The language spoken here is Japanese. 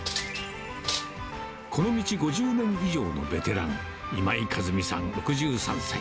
この道５０年以上のベテラン、今井和美さん６３歳。